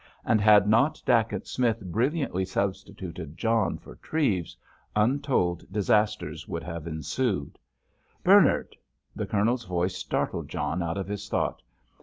And had not Dacent Smith brilliantly substituted John for Treves, untold disasters would have ensued. "Bernard!" The Colonel's voice startled John out of his thought.